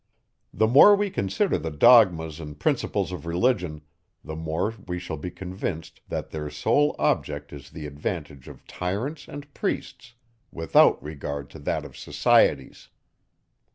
The more we consider the dogmas and principles of religion, the more we shall be convinced, that their sole object is the advantage of tyrants and priests, without regard to that of societies.